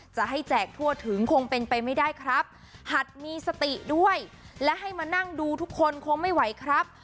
จะให้แจกทั่วถึงคงเป็นไปไม่ได้ครับหัดมีสติด้วยและให้มานั่งดูทุกคนคงไม่ไหวครับ